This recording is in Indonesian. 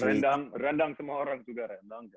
rendang rendang semua orang juga rendang